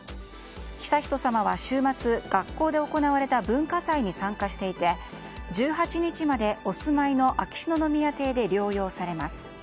悠仁さまは週末学校で行われた文化祭に参加していて１８日までお住いの秋篠宮邸で療養されます。